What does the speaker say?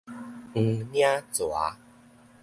黃領蛇